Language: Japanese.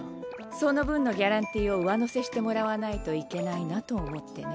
その分のギャランティーを上乗せしてもらわないといけないなと思ってね。